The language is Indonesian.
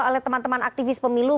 oleh teman teman aktivis pemilu